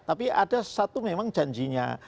tapi ada satu memang janjinya